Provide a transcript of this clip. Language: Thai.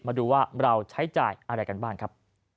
มาดูว่าเราใช้จ่ายอะไรกันบ้างครับ